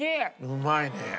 うまいね。